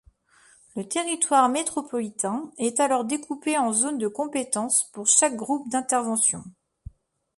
Le territoire métropolitain est alors découpé en zones de compétence pour chaque groupe d'intervention.